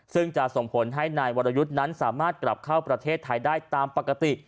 ซึ่งจะส่งผลให้นายวรยุทธ์นั้นสามารถกลับเข้าประเทศไทยได้ตามปกติ